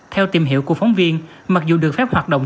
theo tìm hiểu của phóng viên mặc dù được phép hoạt động